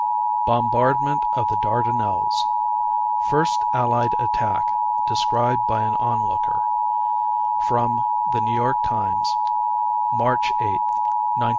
Bombardment of the Dardanelles First Allied Attack Described by an Onlooker [From THE NEW YORK TIMES, March 8, 1915.